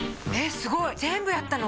すごい全部やったの？